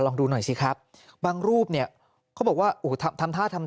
ลองดูหน่อยสิครับบางรูปเนี่ยเขาบอกว่าโอ้โหทำท่าทำ